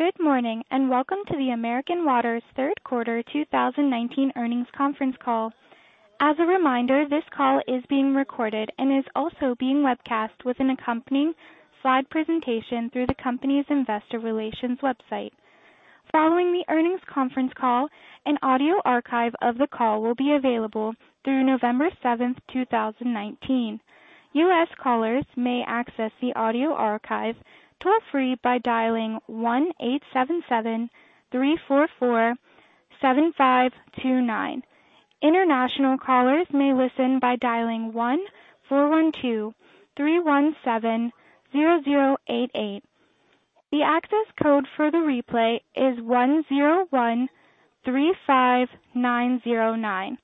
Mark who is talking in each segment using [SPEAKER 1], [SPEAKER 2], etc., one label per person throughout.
[SPEAKER 1] Good morning, and welcome to the American Water's third quarter 2019 earnings conference call. As a reminder, this call is being recorded and is also being webcast with an accompanying slide presentation through the company's investor relations website. Following the earnings conference call, an audio archive of the call will be available through November 7th, 2019. U.S. callers may access the audio archive toll-free by dialing 1-877-344-7529. International callers may listen by dialing 1-412-317-0088. The access code for the replay is 10135909.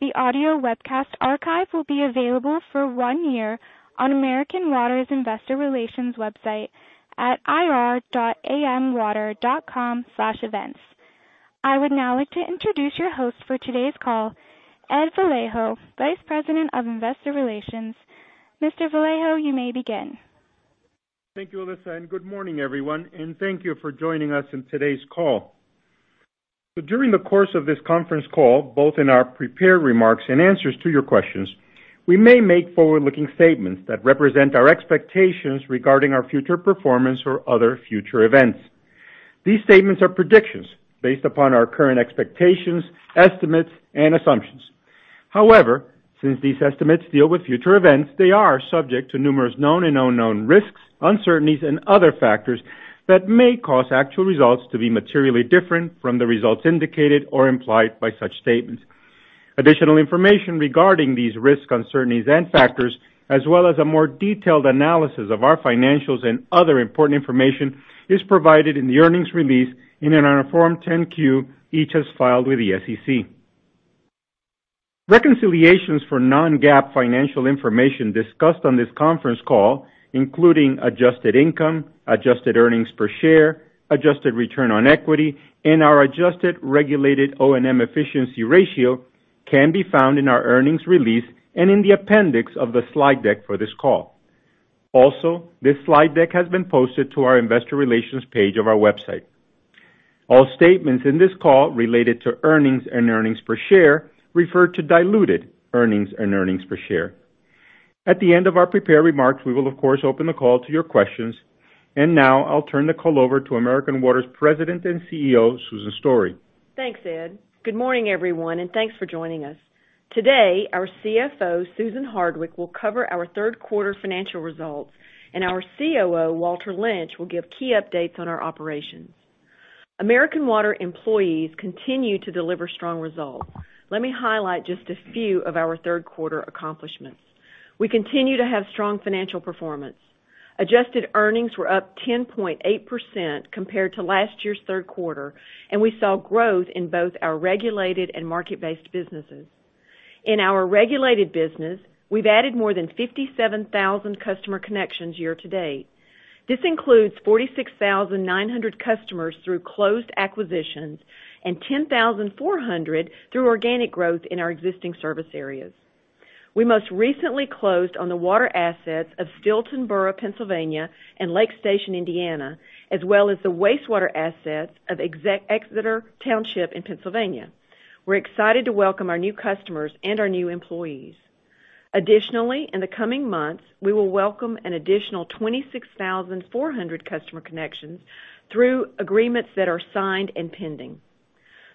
[SPEAKER 1] The audio webcast archive will be available for one year on American Water's investor relations website at ir.amwater.com/events. I would now like to introduce your host for today's call, Ed Vallejo, Vice President of Investor Relations. Mr. Vallejo, you may begin.
[SPEAKER 2] Thank you, Alyssa, and good morning, everyone, and thank you for joining us on today's call. During the course of this conference call, both in our prepared remarks and answers to your questions, we may make forward-looking statements that represent our expectations regarding our future performance or other future events. These statements are predictions based upon our current expectations, estimates, and assumptions. However, since these estimates deal with future events, they are subject to numerous known and unknown risks, uncertainties, and other factors that may cause actual results to be materially different from the results indicated or implied by such statements. Additional information regarding these risks, uncertainties, and factors, as well as a more detailed analysis of our financials and other important information, is provided in the earnings release and in our Form 10-Q, each as filed with the SEC. Reconciliations for non-GAAP financial information discussed on this conference call, including adjusted income, adjusted earnings per share, adjusted return on equity, and our adjusted regulated O&M efficiency ratio, can be found in our earnings release and in the appendix of the slide deck for this call. Also, this slide deck has been posted to our investor relations page of our website. All statements in this call related to earnings and earnings per share refer to diluted earnings and earnings per share. At the end of our prepared remarks, we will of course open the call to your questions. Now I'll turn the call over to American Water's President and CEO, Susan Story.
[SPEAKER 3] Thanks, Ed. Good morning, everyone, thanks for joining us. Today, our CFO, Susan Hardwick, will cover our third quarter financial results, our COO, Walter Lynch, will give key updates on our operations. American Water employees continue to deliver strong results. Let me highlight just a few of our third quarter accomplishments. We continue to have strong financial performance. Adjusted earnings were up 10.8% compared to last year's third quarter, we saw growth in both our regulated and market-based businesses. In our regulated business, we've added more than 57,000 customer connections year to date. This includes 46,900 customers through closed acquisitions 10,400 through organic growth in our existing service areas. We most recently closed on the water assets of Steelton Borough, Pennsylvania and Lake Station, Indiana, as well as the wastewater assets of Exeter Township in Pennsylvania. We're excited to welcome our new customers and our new employees. Additionally, in the coming months, we will welcome an additional 26,400 customer connections through agreements that are signed and pending.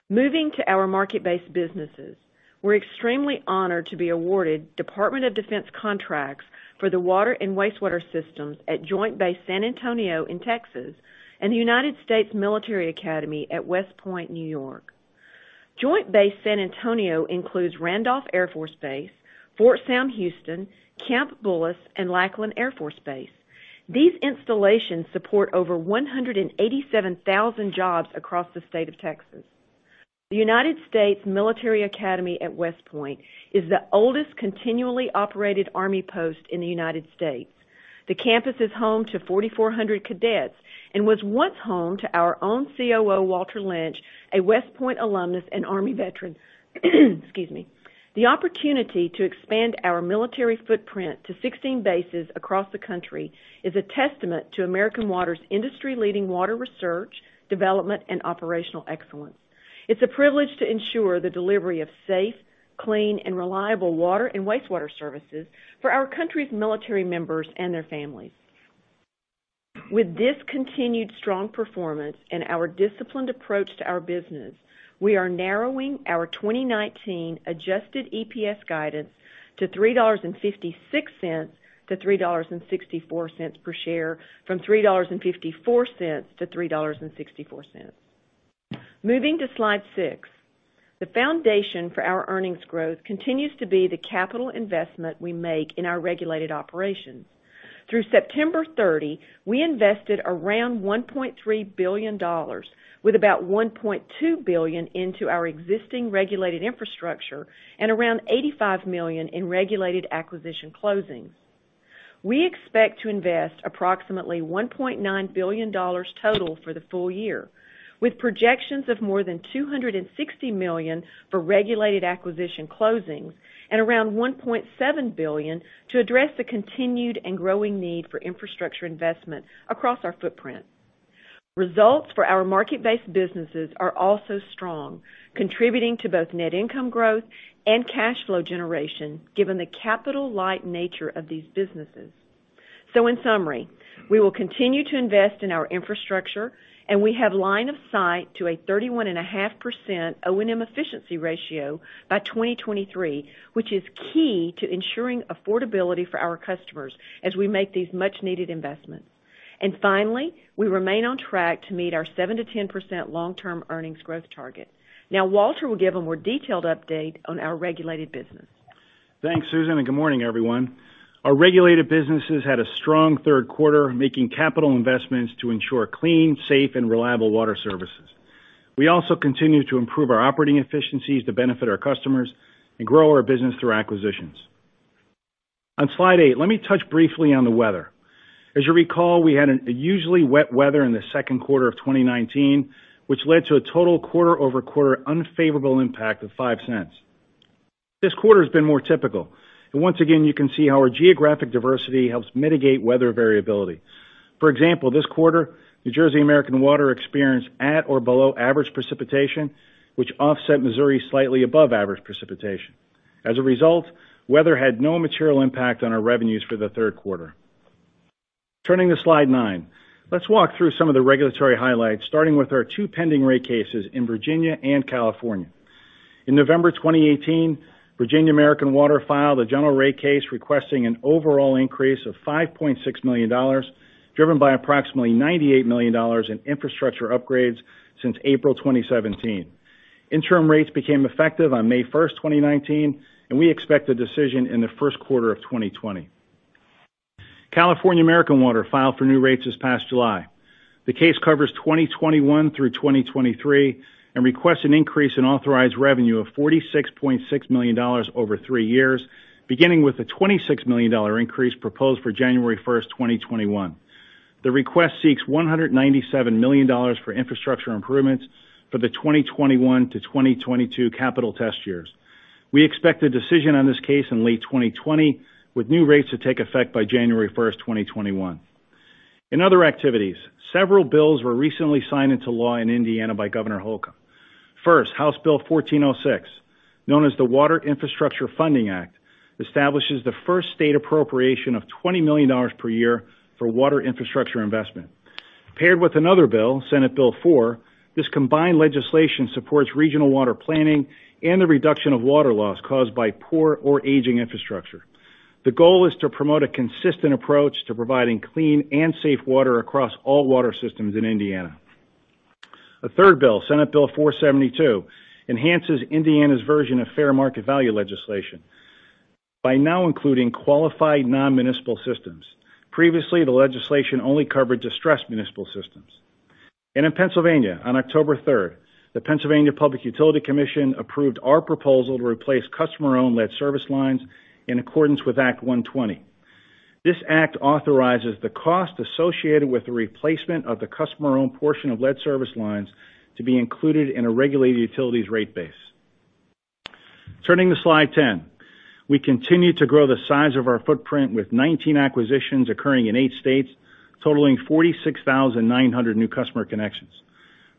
[SPEAKER 3] Moving to our market-based businesses, we're extremely honored to be awarded Department of Defense contracts for the water and wastewater systems at Joint Base San Antonio in Texas and the United States Military Academy at West Point, New York. Joint Base San Antonio includes Randolph Air Force Base, Fort Sam Houston, Camp Bullis, and Lackland Air Force Base. These installations support over 187,000 jobs across the state of Texas. The United States Military Academy at West Point is the oldest continually operated Army post in the United States. The campus is home to 4,400 cadets and was once home to our own COO, Walter Lynch, a West Point alumnus and Army veteran. Excuse me. The opportunity to expand our military footprint to 16 bases across the country is a testament to American Water's industry-leading water research, development, and operational excellence. It's a privilege to ensure the delivery of safe, clean, and reliable water and wastewater services for our country's military members and their families. With this continued strong performance and our disciplined approach to our business, we are narrowing our 2019 adjusted EPS guidance to $3.56-$3.64 per share from $3.54-$3.64. Moving to Slide six. The foundation for our earnings growth continues to be the capital investment we make in our regulated operations. Through September 30, we invested around $1.3 billion, with about $1.2 billion into our existing regulated infrastructure and around $85 million in regulated acquisition closings. We expect to invest approximately $1.9 billion total for the full year, with projections of more than $260 million for regulated acquisition closings and around $1.7 billion to address the continued and growing need for infrastructure investment across our footprint. Results for our market-based businesses are also strong, contributing to both net income growth and cash flow generation, given the capital-light nature of these businesses. In summary, we will continue to invest in our infrastructure, and we have line of sight to a 31.5% O&M efficiency ratio by 2023, which is key to ensuring affordability for our customers as we make these much-needed investments. Finally, we remain on track to meet our 7%-10% long-term earnings growth target. Now, Walter will give a more detailed update on our regulated business.
[SPEAKER 4] Thanks, Susan, good morning, everyone. Our regulated businesses had a strong third quarter, making capital investments to ensure clean, safe, and reliable water services. We also continue to improve our operating efficiencies to benefit our customers and grow our business through acquisitions. On slide eight, let me touch briefly on the weather. As you recall, we had usually wet weather in the second quarter of 2019, which led to a total quarter-over-quarter unfavorable impact of $0.05. This quarter's been more typical. Once again, you can see how our geographic diversity helps mitigate weather variability. For example, this quarter, New Jersey American Water experienced at or below average precipitation, which offset Missouri's slightly above average precipitation. As a result, weather had no material impact on our revenues for the third quarter. Turning to slide nine. Let's walk through some of the regulatory highlights, starting with our two pending rate cases in Virginia and California. In November 2018, Virginia American Water filed a general rate case requesting an overall increase of $5.6 million, driven by approximately $98 million in infrastructure upgrades since April 2017. Interim rates became effective on May 1st, 2019, and we expect a decision in the first quarter of 2020. California American Water filed for new rates this past July. The case covers 2021 through 2023 and requests an increase in authorized revenue of $46.6 million over three years, beginning with a $26 million increase proposed for January 1st, 2021. The request seeks $197 million for infrastructure improvements for the 2021 to 2022 capital test years. We expect a decision on this case in late 2020, with new rates to take effect by January 1st, 2021. In other activities, several bills were recently signed into law in Indiana by Governor Holcomb. First, House Bill 1406, known as the Water Infrastructure Funding Act, establishes the first state appropriation of $20 million per year for water infrastructure investment. Paired with another bill, Senate Bill 4, this combined legislation supports regional water planning and the reduction of water loss caused by poor or aging infrastructure. The goal is to promote a consistent approach to providing clean and safe water across all water systems in Indiana. A third bill, Senate Bill 472, enhances Indiana's version of fair market value legislation by now including qualified non-municipal systems. Previously, the legislation only covered distressed municipal systems. In Pennsylvania, on October 3rd, the Pennsylvania Public Utility Commission approved our proposal to replace customer-owned lead service lines in accordance with Act 120. This act authorizes the cost associated with the replacement of the customer-owned portion of lead service lines to be included in a regulated utility's rate base. Turning to slide 10. We continue to grow the size of our footprint with 19 acquisitions occurring in eight states, totaling 46,900 new customer connections.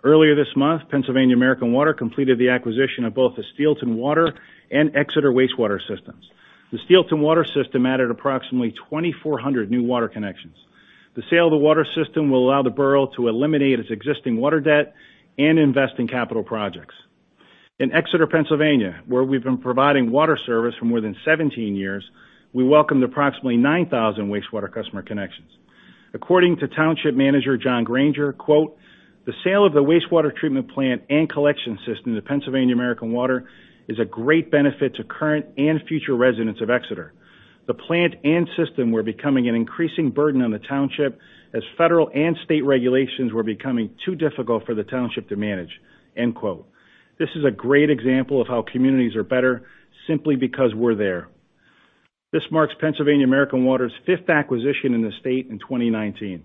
[SPEAKER 4] Earlier this month, Pennsylvania American Water completed the acquisition of both the Steelton Water and Exeter Wastewater systems. The Steelton Water system added approximately 2,400 new water connections. The sale of the water system will allow the borough to eliminate its existing water debt and invest in capital projects. In Exeter, Pennsylvania, where we've been providing water service for more than 17 years, we welcomed approximately 9,000 wastewater customer connections. According to Township Manager John Granger, quote, "The sale of the wastewater treatment plant and collection system to Pennsylvania American Water is a great benefit to current and future residents of Exeter. The plant and system were becoming an increasing burden on the township as federal and state regulations were becoming too difficult for the township to manage." End quote. This is a great example of how communities are better simply because we're there. This marks Pennsylvania American Water's fifth acquisition in the state in 2019.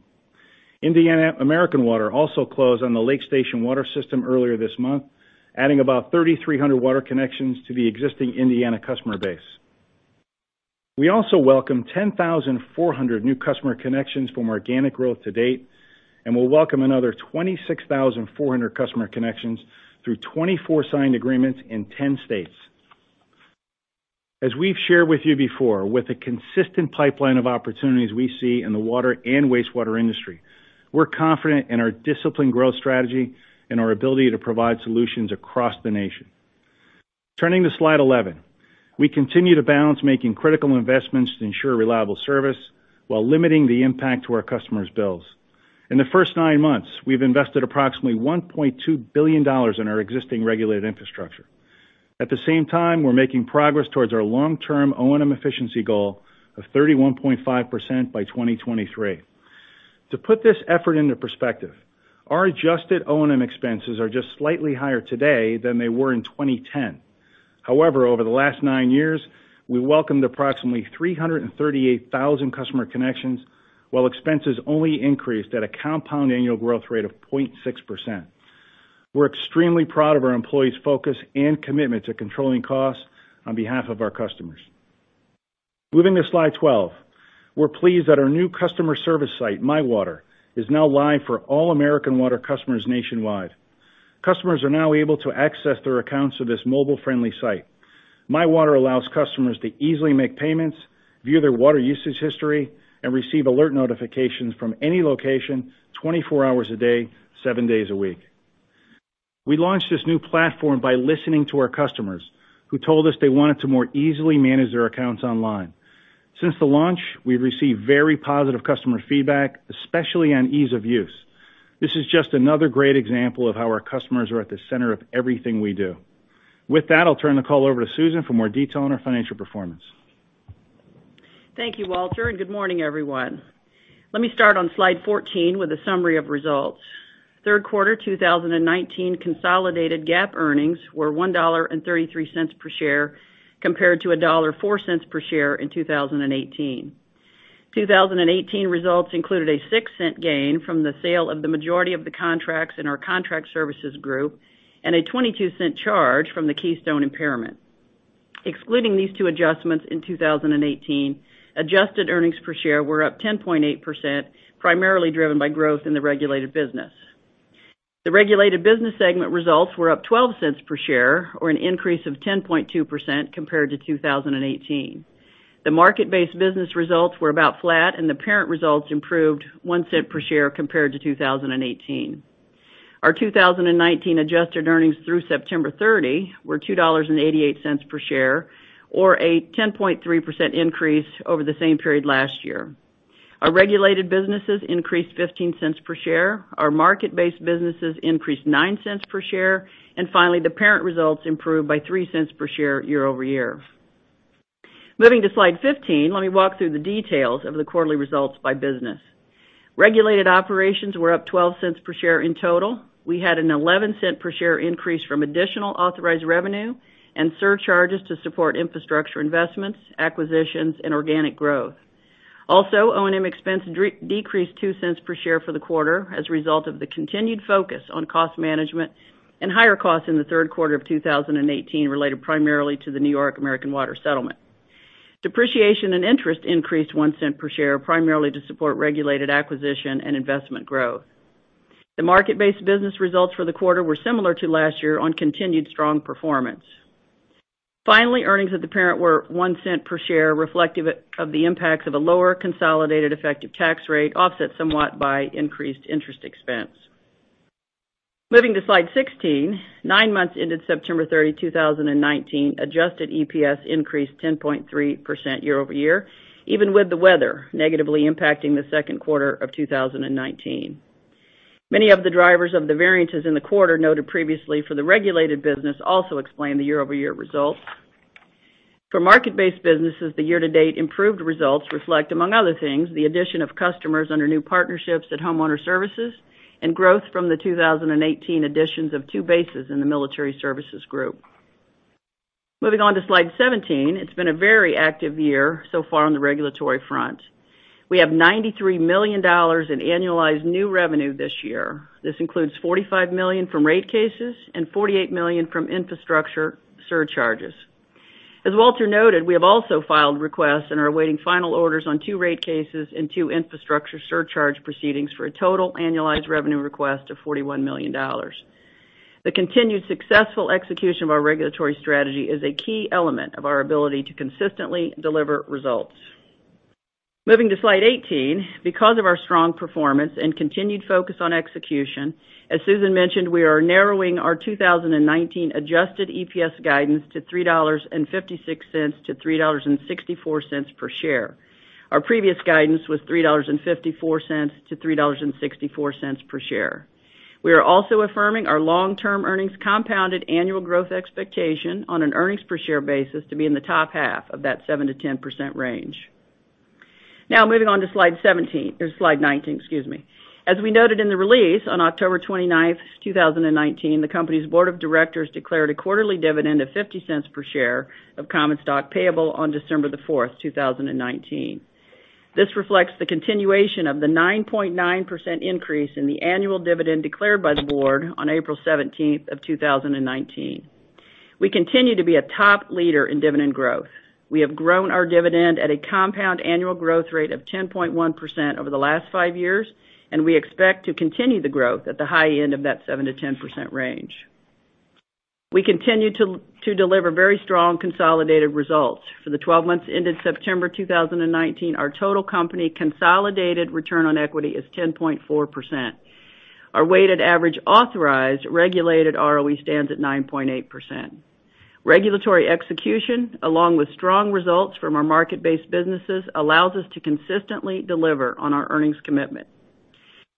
[SPEAKER 4] Indiana American Water also closed on the Lake Station water system earlier this month, adding about 3,300 water connections to the existing Indiana customer base. We also welcome 10,400 new customer connections from organic growth to date and will welcome another 26,400 customer connections through 24 signed agreements in 10 states. As we've shared with you before, with the consistent pipeline of opportunities we see in the water and wastewater industry, we're confident in our disciplined growth strategy and our ability to provide solutions across the nation. Turning to slide 11. We continue to balance making critical investments to ensure reliable service while limiting the impact to our customers' bills. In the first nine months, we've invested approximately $1.2 billion in our existing regulated infrastructure. At the same time, we're making progress towards our long-term O&M efficiency goal of 31.5% by 2023. To put this effort into perspective, our adjusted O&M expenses are just slightly higher today than they were in 2010. However, over the last nine years, we welcomed approximately 338,000 customer connections while expenses only increased at a compound annual growth rate of 0.6%. We're extremely proud of our employees' focus and commitment to controlling costs on behalf of our customers. Moving to slide 12. We're pleased that our new customer service site, MyWater, is now live for all American Water customers nationwide. Customers are now able to access their accounts through this mobile-friendly site. MyWater allows customers to easily make payments, view their water usage history, and receive alert notifications from any location, 24 hours a day, seven days a week. We launched this new platform by listening to our customers, who told us they wanted to more easily manage their accounts online. Since the launch, we've received very positive customer feedback, especially on ease of use. This is just another great example of how our customers are at the center of everything we do. With that, I'll turn the call over to Susan for more detail on our financial performance.
[SPEAKER 5] Thank you, Walter. Good morning, everyone. Let me start on slide 14 with a summary of results. Third quarter 2019 consolidated GAAP earnings were $1.33 per share compared to $1.04 per share in 2018. 2018 results included a $0.06 gain from the sale of the majority of the contracts in our Contract Services Group and a $0.22 charge from the Keystone impairment. Excluding these two adjustments in 2018, adjusted earnings per share were up 10.8%, primarily driven by growth in the regulated business. The regulated business segment results were up $0.12 per share or an increase of 10.2% compared to 2018. The market-based business results were about flat, and the parent results improved $0.01 per share compared to 2018. Our 2019 adjusted earnings through September 30 were $2.88 per share, or a 10.3% increase over the same period last year. Our regulated businesses increased $0.15 per share. Our market-based businesses increased $0.09 per share. Finally, the parent results improved by $0.03 per share year-over-year. Moving to slide 15, let me walk through the details of the quarterly results by business. Regulated operations were up $0.12 per share in total. We had an $0.11 per share increase from additional authorized revenue and surcharges to support infrastructure investments, acquisitions, and organic growth. Also, O&M expense decreased $0.02 per share for the quarter as a result of the continued focus on cost management and higher costs in the third quarter of 2018 related primarily to the New York American Water settlement. Depreciation and interest increased $0.01 per share, primarily to support regulated acquisition and investment growth. The market-based business results for the quarter were similar to last year on continued strong performance. Finally, earnings of the parent were $0.01 per share, reflective of the impacts of a lower consolidated effective tax rate, offset somewhat by increased interest expense. Moving to slide 16, nine months ended September 30, 2019, adjusted EPS increased 10.3% year-over-year, even with the weather negatively impacting the second quarter of 2019. Many of the drivers of the variances in the quarter noted previously for the regulated business also explain the year-over-year results. For market-based businesses, the year-to-date improved results reflect, among other things, the addition of customers under new partnerships at Homeowner Services and growth from the 2018 additions of two bases in the Military Services Group. Moving on to slide 17, it's been a very active year so far on the regulatory front. We have $93 million in annualized new revenue this year. This includes $45 million from rate cases and $48 million from infrastructure surcharges. As Walter noted, we have also filed requests and are awaiting final orders on two rate cases and two infrastructure surcharge proceedings for a total annualized revenue request of $41 million. The continued successful execution of our regulatory strategy is a key element of our ability to consistently deliver results. Moving to slide 18, because of our strong performance and continued focus on execution, as Susan mentioned, we are narrowing our 2019 adjusted EPS guidance to $3.56 to $3.64 per share. Our previous guidance was $3.54 to $3.64 per share. We are also affirming our long-term earnings compounded annual growth expectation on an earnings per share basis to be in the top half of that 7%-10% range. Moving on to slide 17 or slide 19, excuse me. As we noted in the release on October 29th, 2019, the company's Board of Directors declared a quarterly dividend of $0.50 per share of common stock payable on December the 4th, 2019. This reflects the continuation of the 9.9% increase in the annual dividend declared by the Board on April 17th of 2019. We continue to be a top leader in dividend growth. We have grown our dividend at a compound annual growth rate of 10.1% over the last five years, and we expect to continue the growth at the high end of that 7%-10% range. We continue to deliver very strong consolidated results. For the 12 months ended September 2019, our total company consolidated return on equity is 10.4%. Our weighted average authorized regulated ROE stands at 9.8%. Regulatory execution, along with strong results from our market-based businesses, allows us to consistently deliver on our earnings commitment.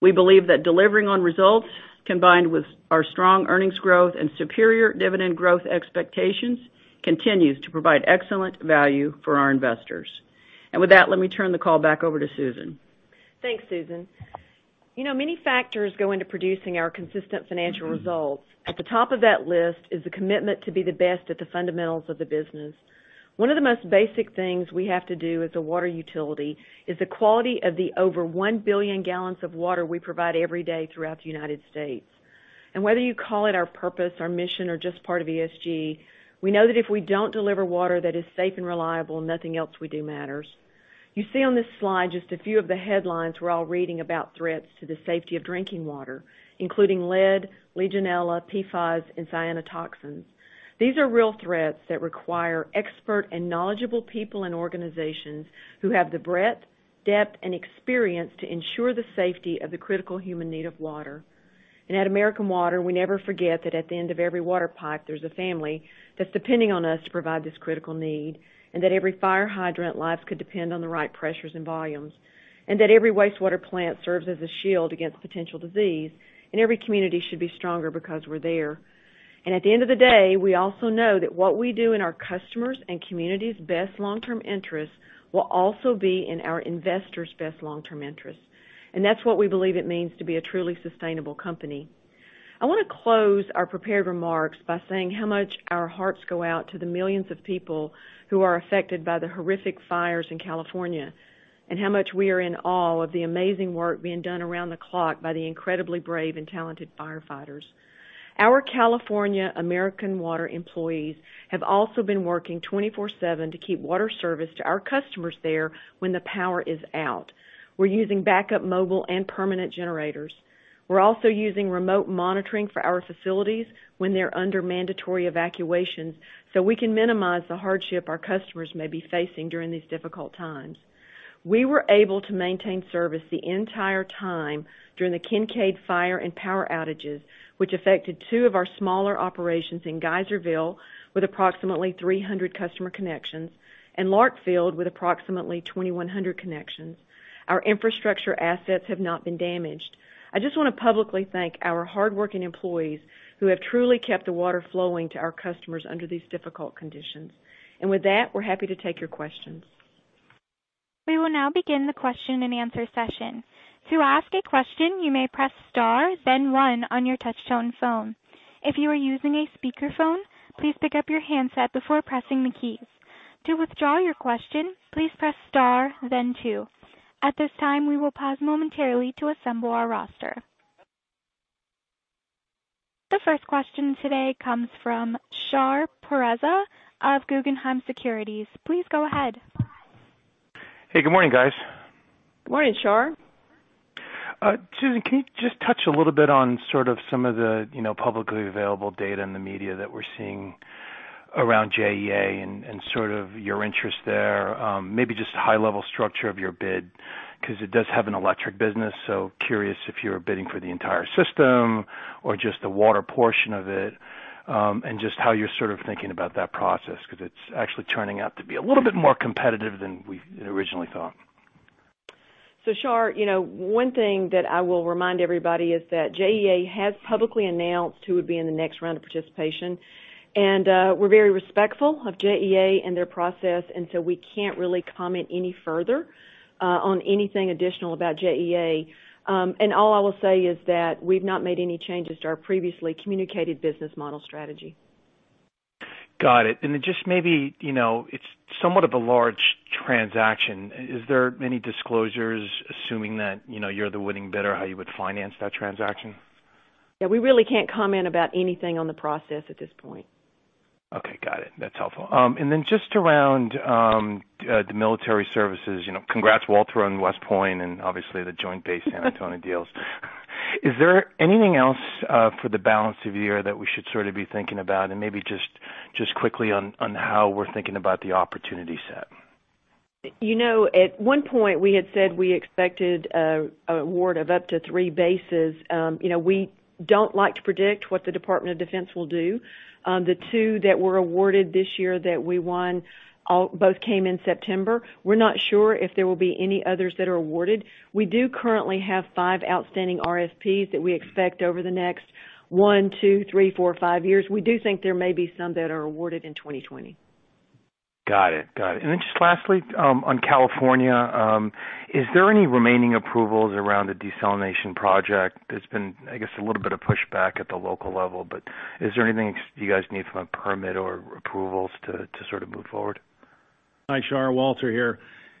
[SPEAKER 5] We believe that delivering on results, combined with our strong earnings growth and superior dividend growth expectations, continues to provide excellent value for our investors. With that, let me turn the call back over to Susan.
[SPEAKER 3] Thanks, Susan. Many factors go into producing our consistent financial results. At the top of that list is the commitment to be the best at the fundamentals of the business. One of the most basic things we have to do as a water utility is the quality of the over 1 billion gallons of water we provide every day throughout the United States. Whether you call it our purpose, our mission, or just part of ESG, we know that if we don't deliver water that is safe and reliable, nothing else we do matters. You see on this slide just a few of the headlines we're all reading about threats to the safety of drinking water, including lead, Legionella, PFAS, and cyanotoxins. These are real threats that require expert and knowledgeable people and organizations who have the breadth, depth, and experience to ensure the safety of the critical human need of water. At American Water, we never forget that at the end of every water pipe, there's a family that's depending on us to provide this critical need, and that every fire hydrant lives could depend on the right pressures and volumes, and that every wastewater plant serves as a shield against potential disease. Every community should be stronger because we're there. At the end of the day, we also know that what we do in our customers' and communities' best long-term interests will also be in our investors' best long-term interests. That's what we believe it means to be a truly sustainable company. I want to close our prepared remarks by saying how much our hearts go out to the millions of people who are affected by the horrific fires in California, and how much we are in awe of the amazing work being done around the clock by the incredibly brave and talented firefighters. Our California American Water employees have also been working 24/7 to keep water service to our customers there when the power is out. We're using backup mobile and permanent generators. We're also using remote monitoring for our facilities when they're under mandatory evacuation so we can minimize the hardship our customers may be facing during these difficult times. We were able to maintain service the entire time during the Kincade Fire and power outages, which affected two of our smaller operations in Geyserville, with approximately 300 customer connections, and Larkfield, with approximately 2,100 connections. Our infrastructure assets have not been damaged. I just want to publicly thank our hardworking employees who have truly kept the water flowing to our customers under these difficult conditions. With that, we're happy to take your questions.
[SPEAKER 1] We will now begin the question and answer session. To ask a question, you may press star then one on your touchtone phone. If you are using a speakerphone, please pick up your handset before pressing the keys. To withdraw your question, please press star then two. At this time, we will pause momentarily to assemble our roster. The first question today comes from Shahriar Pourreza of Guggenheim Securities. Please go ahead.
[SPEAKER 6] Hey, good morning, guys.
[SPEAKER 3] Good morning, Shar.
[SPEAKER 6] Susan, can you just touch a little bit on sort of some of the publicly available data in the media that we're seeing around JEA and sort of your interest there? Maybe just a high-level structure of your bid, because it does have an electric business. Curious if you're bidding for the entire system or just the water portion of it. Just how you're sort of thinking about that process, because it's actually turning out to be a little bit more competitive than we originally thought.
[SPEAKER 3] Shar, one thing that I will remind everybody is that JEA has publicly announced who would be in the next round of participation. We're very respectful of JEA and their process, and so we can't really comment any further on anything additional about JEA. All I will say is that we've not made any changes to our previously communicated business model strategy.
[SPEAKER 6] Got it. Just maybe, it's somewhat of a large transaction. Is there any disclosures, assuming that you're the winning bidder, how you would finance that transaction?
[SPEAKER 3] Yeah, we really can't comment about anything on the process at this point.
[SPEAKER 6] Okay, got it. That's helpful. Then just around the Military Services, congrats, Walter on West Point and obviously the Joint Base San Antonio deals. Is there anything else for the balance of the year that we should sort of be thinking about? Maybe just quickly on how we're thinking about the opportunity set.
[SPEAKER 3] At one point, we had said we expected award of up to three bases. We don't like to predict what the Department of Defense will do. The two that were awarded this year that we won both came in September. We're not sure if there will be any others that are awarded. We do currently have five outstanding RFPs that we expect over the next one, two, three, four, five years. We do think there may be some that are awarded in 2020.
[SPEAKER 6] Got it. Just lastly, on California, is there any remaining approvals around the desalination project? There's been, I guess, a little bit of pushback at the local level. Is there anything you guys need from a permit or approvals to sort of move forward?
[SPEAKER 4] Hi, Shar. Walter here.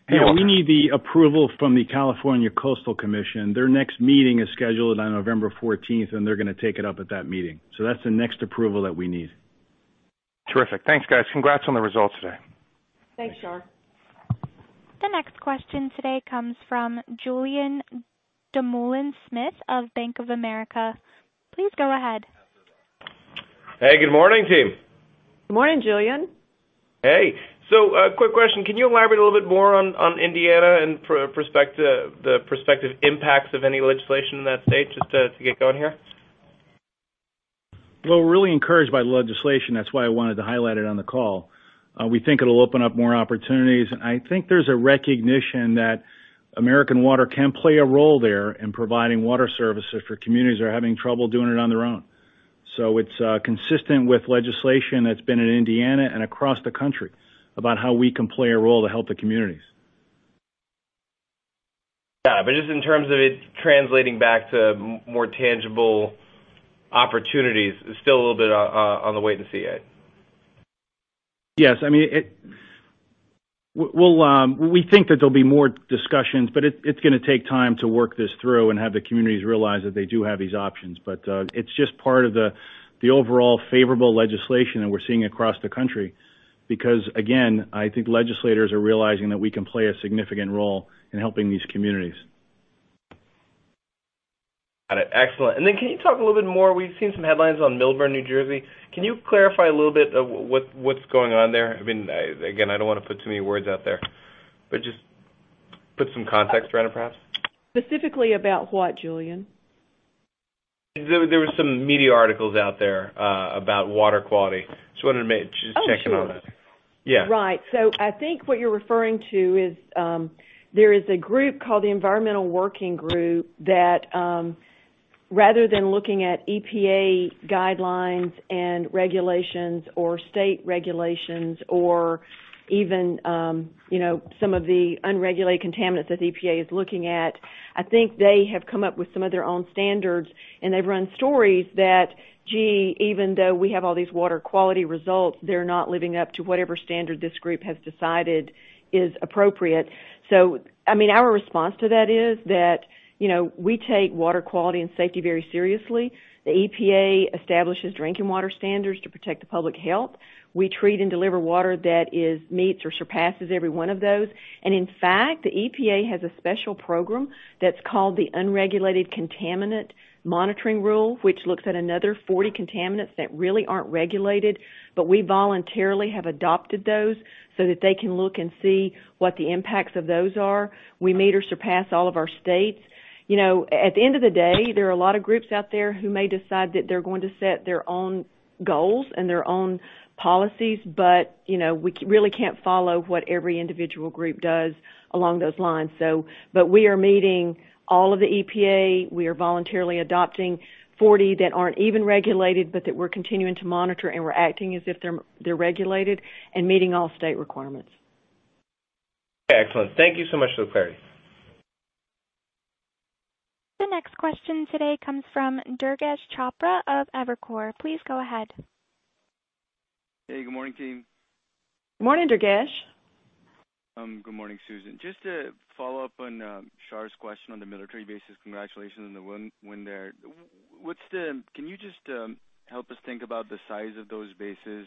[SPEAKER 6] Hey, Walter.
[SPEAKER 4] Yeah, we need the approval from the California Coastal Commission. Their next meeting is scheduled on November 14th, and they're going to take it up at that meeting. That's the next approval that we need.
[SPEAKER 6] Terrific. Thanks, guys. Congrats on the results today.
[SPEAKER 3] Thanks, Shar.
[SPEAKER 1] The next question today comes from Julien Dumoulin-Smith of Bank of America. Please go ahead.
[SPEAKER 7] Hey, good morning, team.
[SPEAKER 3] Good morning, Julien.
[SPEAKER 7] Hey. Quick question, can you elaborate a little bit more on Indiana and the prospective impacts of any legislation in that state just to get going here?
[SPEAKER 4] Well, we're really encouraged by the legislation. That's why I wanted to highlight it on the call. We think it'll open up more opportunities. I think there's a recognition that American Water can play a role there in providing water services for communities that are having trouble doing it on their own. It's consistent with legislation that's been in Indiana and across the country about how we can play a role to help the communities.
[SPEAKER 7] Yeah, just in terms of it translating back to more tangible opportunities, it's still a little bit on the wait and see yet.
[SPEAKER 4] Yes. We think that there'll be more discussions, it's going to take time to work this through and have the communities realize that they do have these options. It's just part of the overall favorable legislation that we're seeing across the country. Again, I think legislators are realizing that we can play a significant role in helping these communities.
[SPEAKER 7] Got it. Excellent. Then can you talk a little bit more, we've seen some headlines on Millburn, New Jersey. Can you clarify a little bit of what's going on there? Again, I don't want to put too many words out there, but just put some context around it, perhaps.
[SPEAKER 3] Specifically about what, Julien?
[SPEAKER 7] There were some media articles out there about water quality.
[SPEAKER 3] Oh, sure.
[SPEAKER 7] Just checking on that. Yeah.
[SPEAKER 3] Right. I think what you're referring to is, there is a group called the Environmental Working Group that, rather than looking at EPA guidelines and regulations or state regulations or even some of the unregulated contaminants that the EPA is looking at, I think they have come up with some of their own standards, and they've run stories that, gee, even though we have all these water quality results, they're not living up to whatever standard this group has decided is appropriate. Our response to that is that we take water quality and safety very seriously. The EPA establishes drinking water standards to protect the public health. We treat and deliver water that meets or surpasses every one of those. In fact, the EPA has a special program that's called the Unregulated Contaminant Monitoring Rule, which looks at another 40 contaminants that really aren't regulated, but we voluntarily have adopted those so that they can look and see what the impacts of those are. We meet or surpass all of our states. At the end of the day, there are a lot of groups out there who may decide that they're going to set their own goals and their own policies, but we really can't follow what every individual group does along those lines. We are meeting all of the EPA, we are voluntarily adopting 40 that aren't even regulated, but that we're continuing to monitor, and we're acting as if they're regulated and meeting all state requirements.
[SPEAKER 7] Excellent. Thank you so much for the clarity.
[SPEAKER 1] The next question today comes from Durgesh Chopra of Evercore. Please go ahead.
[SPEAKER 8] Hey, good morning, team.
[SPEAKER 3] Morning, Durgesh.
[SPEAKER 8] Good morning, Susan. Just to follow up on Shar's question on the military bases. Congratulations on the win there. Can you just help us think about the size of those bases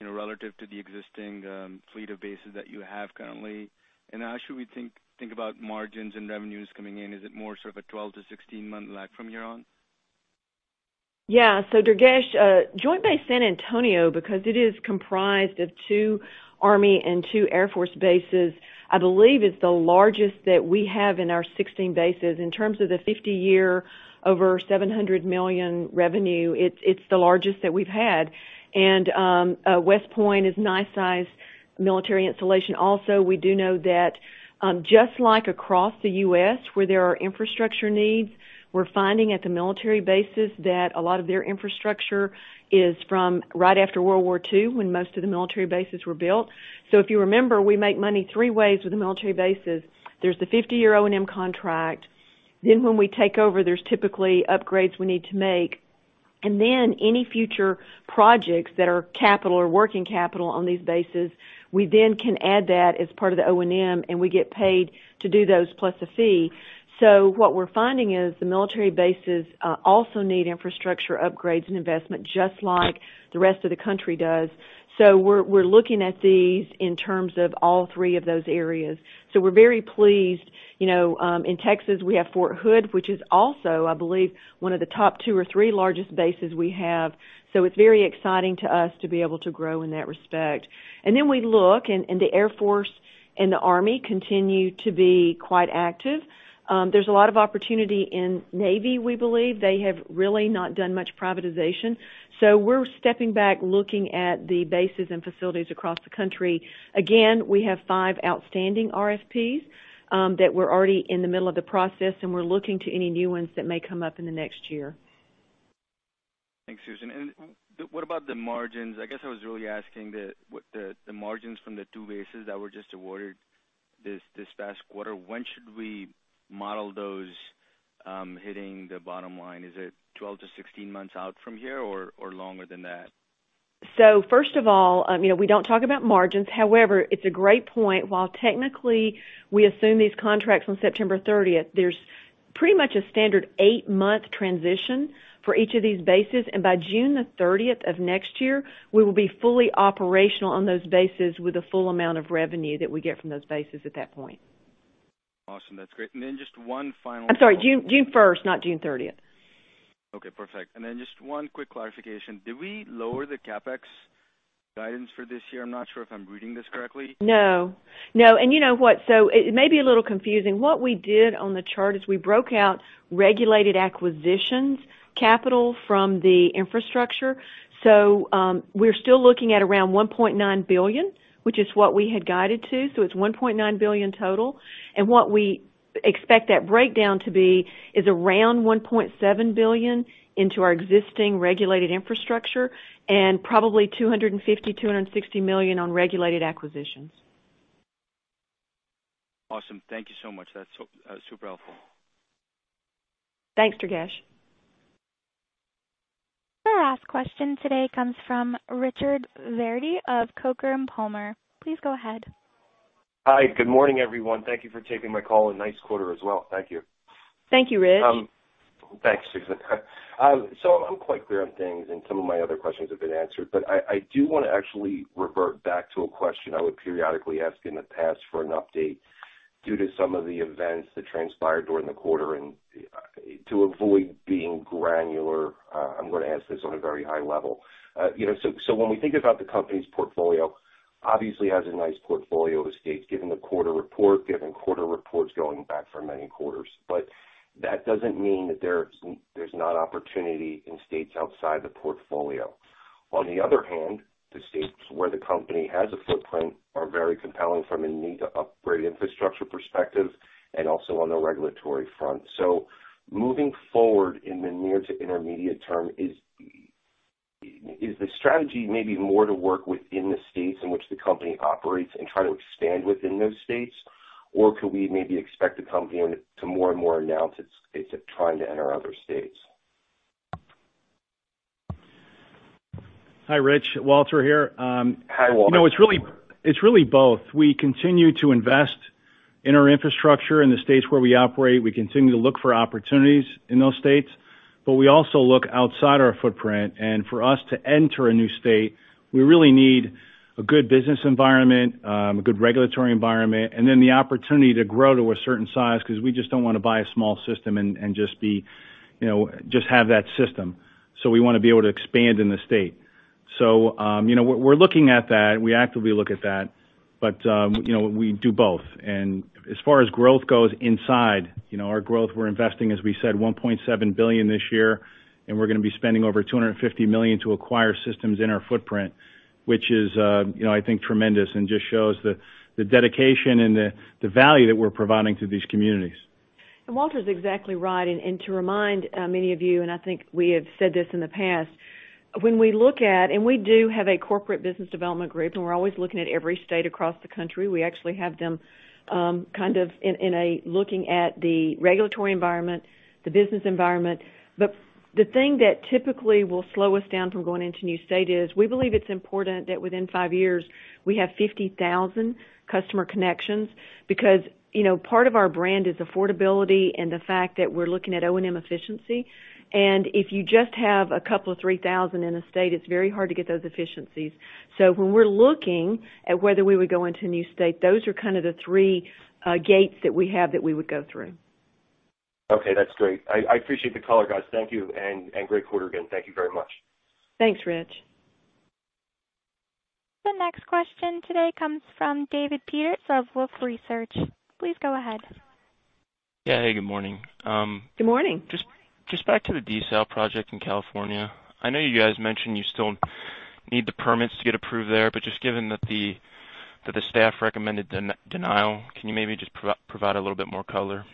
[SPEAKER 8] relative to the existing fleet of bases that you have currently? And how should we think about margins and revenues coming in? Is it more sort of a 12- to 16-month lag from here on?
[SPEAKER 3] Durgesh, Joint Base San Antonio, because it is comprised of two Army and two Air Force bases, I believe is the largest that we have in our 16 bases. In terms of the 50-year, over $700 million revenue, it's the largest that we've had. West Point is a nice size military installation also. We do know that just like across the U.S. where there are infrastructure needs, we're finding at the military bases that a lot of their infrastructure is from right after World War II, when most of the military bases were built. If you remember, we make money three ways with the military bases. There's the 50-year O&M contract. When we take over, there's typically upgrades we need to make, and then any future projects that are capital or working capital on these bases, we then can add that as part of the O&M, and we get paid to do those plus a fee. What we're finding is the military bases also need infrastructure upgrades and investment, just like the rest of the country does. We're looking at these in terms of all three of those areas. We're very pleased. In Texas, we have Fort Hood, which is also, I believe, one of the top two or three largest bases we have. It's very exciting to us to be able to grow in that respect. We look, and the Air Force and the Army continue to be quite active. There's a lot of opportunity in Navy. We believe. They have really not done much privatization. We're stepping back, looking at the bases and facilities across the country. Again, we have five outstanding RFPs that we're already in the middle of the process, and we're looking to any new ones that may come up in the next year.
[SPEAKER 8] Thanks, Susan. What about the margins? I guess I was really asking the margins from the two bases that were just awarded this past quarter. When should we model those hitting the bottom line? Is it 12 to 16 months out from here or longer than that?
[SPEAKER 3] First of all, we don't talk about margins. However, it's a great point. While technically we assume these contracts on September 30th, there's pretty much a standard eight-month transition for each of these bases, and by June 30th of next year, we will be fully operational on those bases with the full amount of revenue that we get from those bases at that point.
[SPEAKER 8] Awesome. That's great. Then just one final.
[SPEAKER 3] I'm sorry, June 1st, not June 30th.
[SPEAKER 8] Okay, perfect. Just one quick clarification. Did we lower the CapEx guidance for this year? I'm not sure if I'm reading this correctly.
[SPEAKER 3] No. No. You know what? It may be a little confusing. What we did on the chart is we broke out regulated acquisitions capital from the infrastructure. We're still looking at around $1.9 billion, which is what we had guided to. It's $1.9 billion total. What we expect that breakdown to be is around $1.7 billion into our existing regulated infrastructure and probably $250 million, $260 million on regulated acquisitions.
[SPEAKER 8] Awesome. Thank you so much. That's super helpful.
[SPEAKER 3] Thanks, Durgesh.
[SPEAKER 1] Our last question today comes from Richard Verdi of Coker & Palmer. Please go ahead.
[SPEAKER 9] Hi. Good morning, everyone. Thank you for taking my call and nice quarter as well. Thank you.
[SPEAKER 3] Thank you, Rich.
[SPEAKER 9] Thanks, Susan. I'm quite clear on things, and some of my other questions have been answered, but I do want to revert back to a question I would periodically ask in the past for an update due to some of the events that transpired during the quarter. To avoid being granular, I'm going to ask this on a very high level. When we think about the company's portfolio, obviously has a nice portfolio of states, given quarter reports going back for many quarters. That doesn't mean that there's not opportunity in states outside the portfolio. On the other hand, the states where the company has a footprint are very compelling from a need to upgrade infrastructure perspective and also on the regulatory front. Moving forward in the near to intermediate term, is the strategy maybe more to work within the states in which the company operates and try to expand within those states? Could we maybe expect the company to more and more announce it's trying to enter other states?
[SPEAKER 4] Hi, Rich. Walter here.
[SPEAKER 9] Hi, Walter.
[SPEAKER 4] It's really both. We continue to invest in our infrastructure in the states where we operate. We continue to look for opportunities in those states, but we also look outside our footprint. For us to enter a new state, we really need a good business environment, a good regulatory environment, and then the opportunity to grow to a certain size, because we just don't want to buy a small system and just have that system. We want to be able to expand in the state. We're looking at that. We actively look at that, but we do both. As far as growth goes inside, our growth, we're investing, as we said, $1.7 billion this year, and we're going to be spending over $250 million to acquire systems in our footprint, which is I think tremendous and just shows the dedication and the value that we're providing to these communities.
[SPEAKER 3] Walter's exactly right. To remind many of you, and I think we have said this in the past, when we look at, and we do have a corporate business development group, and we're always looking at every state across the country. We actually have them kind of looking at the regulatory environment, the business environment. The thing that typically will slow us down from going into a new state is we believe it's important that within five years, we have 50,000 customer connections because part of our brand is affordability and the fact that we're looking at O&M efficiency. If you just have a couple of 3,000 in a state, it's very hard to get those efficiencies. When we're looking at whether we would go into a new state, those are kind of the three gates that we have that we would go through.
[SPEAKER 9] Okay, that's great. I appreciate the call, guys. Thank you. Great quarter again. Thank you very much.
[SPEAKER 3] Thanks, Rich.
[SPEAKER 1] The next question today comes from David Peters of Wolfe Research. Please go ahead.
[SPEAKER 10] Yeah. Hey, good morning.
[SPEAKER 3] Good morning.
[SPEAKER 10] Just back to the Desal project in California. I know you guys mentioned you still need the permits to get approved there, but just given that the staff recommended denial, can you maybe just provide a little bit more color?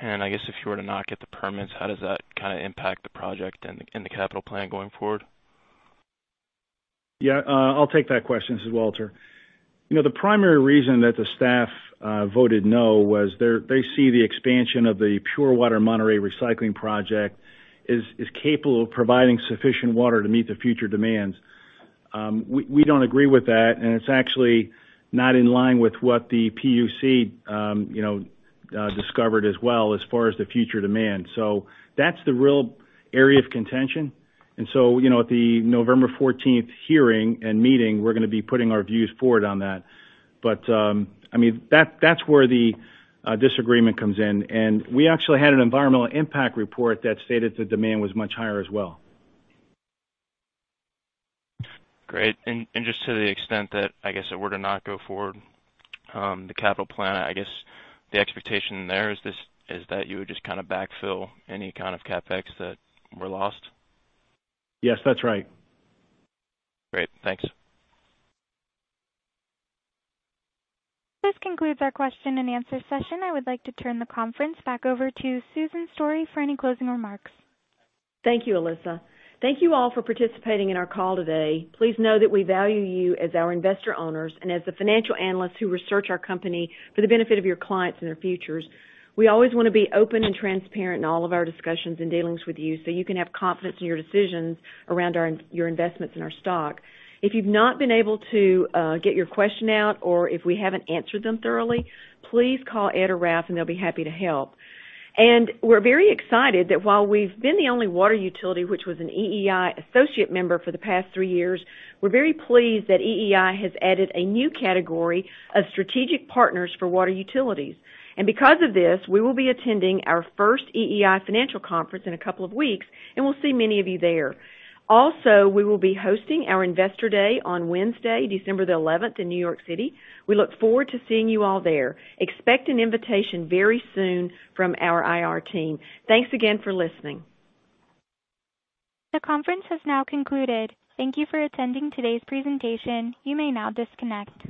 [SPEAKER 10] I guess if you were to not get the permits, how does that kind of impact the project and the capital plan going forward?
[SPEAKER 4] Yeah, I'll take that question. This is Walter. The primary reason that the staff voted no was they see the expansion of the Pure Water Monterey Recycling project is capable of providing sufficient water to meet the future demands. We don't agree with that. It's actually not in line with what the PUC discovered as well, as far as the future demand. That's the real area of contention. At the November 14th hearing and meeting, we're going to be putting our views forward on that. That's where the disagreement comes in. We actually had an environmental impact report that stated the demand was much higher as well.
[SPEAKER 10] Great. Just to the extent that, I guess, it were to not go forward the capital plan, I guess the expectation there is that you would just kind of backfill any kind of CapEx that were lost?
[SPEAKER 4] Yes, that's right.
[SPEAKER 10] Great. Thanks.
[SPEAKER 1] This concludes our question and answer session. I would like to turn the conference back over to Susan Story for any closing remarks.
[SPEAKER 3] Thank you, Alyssa. Thank you all for participating in our call today. Please know that we value you as our investor owners and as the financial analysts who research our company for the benefit of your clients and their futures. We always want to be open and transparent in all of our discussions and dealings with you so you can have confidence in your decisions around your investments in our stock. If you've not been able to get your question out or if we haven't answered them thoroughly, please call Ed or Raf and they'll be happy to help. We're very excited that while we've been the only water utility which was an EEI associate member for the past three years, we're very pleased that EEI has added a new category of strategic partners for water utilities. Because of this, we will be attending our first EEI financial conference in a couple of weeks, and we'll see many of you there. We will be hosting our investor day on Wednesday, December the 11th in New York City. We look forward to seeing you all there. Expect an invitation very soon from our IR team. Thanks again for listening.
[SPEAKER 1] The conference has now concluded. Thank You for attending today's presentation. You may now disconnect.